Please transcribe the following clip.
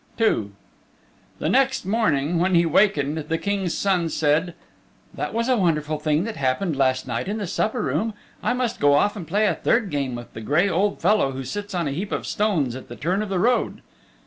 II The next morning when he wakened the King's Son said, "That was a wonderful thing that happened last night in the supper room. I must go off and play a third game with the gray old fellow who sits on a heap of stones at the turn of the road."